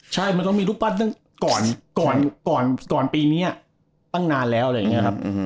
ใช่มันต้องมีรูปปั้นตั้งก่อนปีนี้ตั้งนานแล้วอะไรอย่างนี้ครับ